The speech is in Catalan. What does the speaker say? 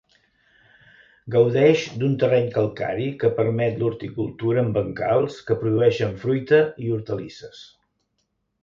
Gaudeix d'un terreny calcari que permet l'horticultura en bancals que produïxen fruita i hortalisses.